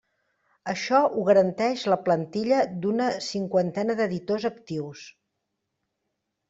Això ho garanteix la plantilla d'una cinquantena d'editors actius.